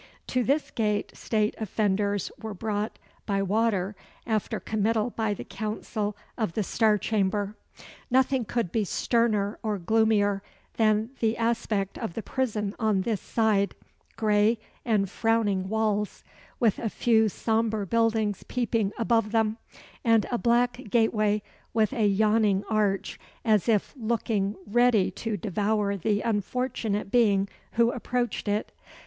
To this gate state offenders were brought by water after committal by the Council of the Star Chamber. Nothing could be sterner or gloomier than the aspect of the prison on this side gray and frowning walls, with a few sombre buildings peeping above them, and a black gateway, with a yawning arch, as if looking ready to devour the unfortunate being who approached it.